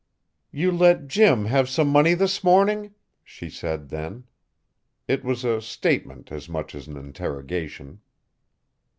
"You let Jim have some money this morning?" she said then; it was a statement as much as an interrogation.